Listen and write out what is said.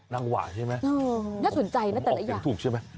นางว่าใช่มั้ยน่าสนใจที่หมด